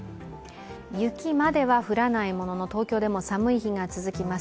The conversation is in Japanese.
雪までは降らないものの東京でも寒い日が続きます